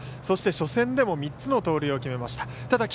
そして、初戦でも３つの盗塁を決めました。